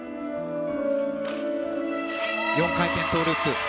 ４回転トウループ。